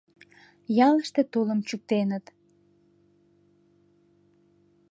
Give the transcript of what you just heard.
Ялыште тулым чӱктеныт.